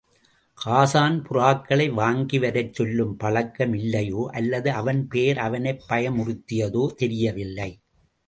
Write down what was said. ஹாஸான் புறாக்களை வாங்கிவரச் சொல்லும் பழக்கம் இல்லையோ, அல்லது அவன் பெயர் அவனைப் பயமுறுத்தியதோ தெரியவில்லை.